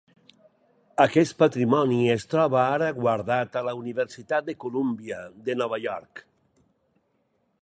Aquest patrimoni es troba ara guardat a la Universitat de Colúmbia de Nova York.